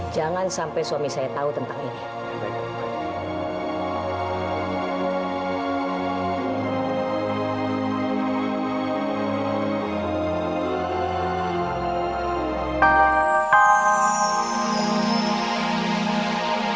jangan sampai suami saya tahu tentang ini